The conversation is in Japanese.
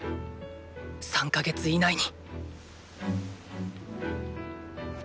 ３ヵ月以内に！